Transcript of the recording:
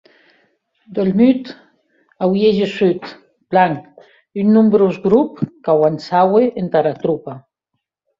D’Olmutz, auie gessut, plan, un nombrós grop qu’auançaue entara tropa.